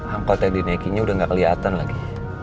ampul tadi naikinnya udah gak keliatan lagi